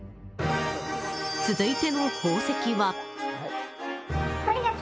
続いての宝石は。